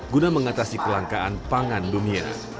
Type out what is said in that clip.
guna mengatasi kelangkaan pangan dunia